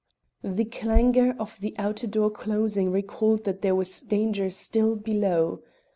The clangour of the outer door closing recalled that there was danger still below.